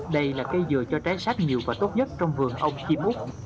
đây là cây dừa cho trái sáp nhiều và tốt nhất trong vườn ông chim úc